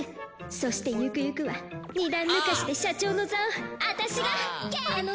そしてゆくゆくは二段抜かしで社長の座を私がゲッチュー！